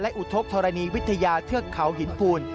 อุทธกธรณีวิทยาเทือกเขาหินปูน